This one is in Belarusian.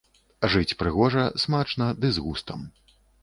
Жыць прыгожа, смачна ды з густам.